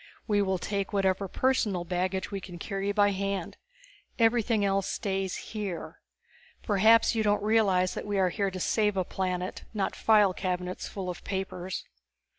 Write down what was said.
We will take whatever personal baggage we can carry by hand; everything else stays here. Perhaps you don't realize we are here to save a planet not file cabinets full of papers."